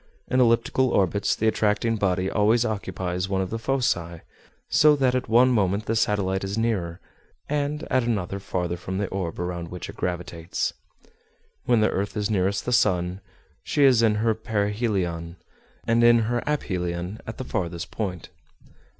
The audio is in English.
In elliptical orbits, the attracting body always occupies one of the foci; so that at one moment the satellite is nearer, and at another farther from the orb around which it gravitates. When the earth is nearest the sun she is in her perihelion; and in her aphelion at the farthest point.